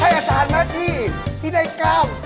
อาจารย์มาที่ที่ได้ก้าว